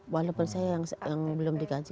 walaupun saya yang belum dikaji